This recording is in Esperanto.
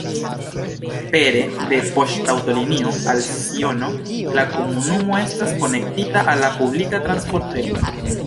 Pere de poŝtaŭtolinio al Siono la komunumo estas konektita al la publika transportreto.